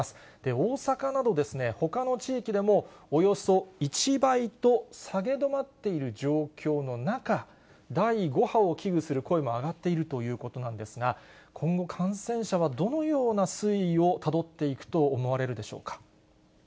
大阪などほかの地域でも、およそ１倍と下げ止まっている状況の中、第５波を危惧する声も上がっているということなんですが、今後、感染者はどのような推移をたどっていくと思われるでしょうか。